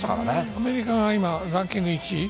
アメリカがランキング１位？